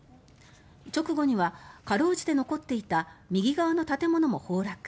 直後には辛うじて残っていた右側の建物も崩落。